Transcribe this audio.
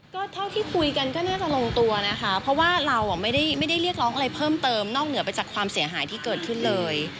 ก็เท่าที่คุยกันก็น่าจะลงตัวนะคะเพราะว่าเราไม่ได้เรียกร้องอะไรเพิ่มเติมนอกเหนือไปจากความเสียหายที่เกิดขึ้นเลย